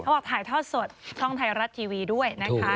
บอกถ่ายทอดสดช่องไทยรัฐทีวีด้วยนะคะ